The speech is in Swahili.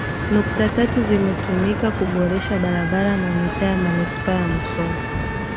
nukta tatu zimetumika kuboresha barabara na mitaa ya Manispaa ya Musoma